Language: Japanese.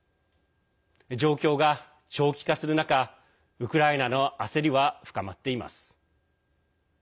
状況が長期化する中ウクライナの焦りは深まっています。